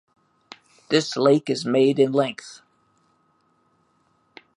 This lake is made in length.